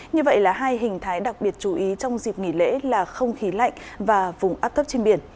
như vậy là hai hình thái đặc biệt chú ý trong dịp nghỉ lễ là không khí lạnh và vùng áp thấp trên biển